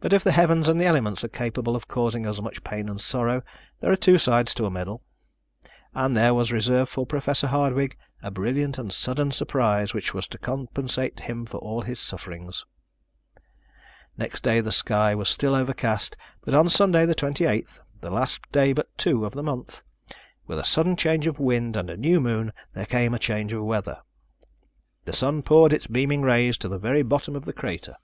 But if the heavens and the elements are capable of causing us much pain and sorrow, there are two sides to a medal. And there was reserved for Professor Hardwigg a brilliant and sudden surprise which was to compensate him for all his sufferings. Next day the sky was still overcast, but on Sunday, the 28th, the last day but two of the month, with a sudden change of wind and a new moon there came a change of weather. The sun poured its beaming rays to the very bottom of the crater.